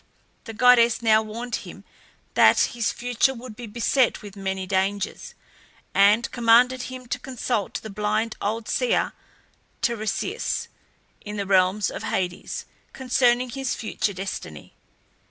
The goddess now warned him that his future would be beset with many dangers, and commanded him to consult the blind old seer Tiresias, in the realm of Hades, concerning his future destiny.